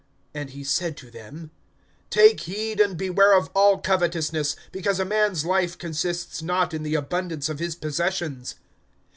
(15)And he said to them: Take heed, and beware of all covetousness; because a man's life consists not in the abundance of his possessions.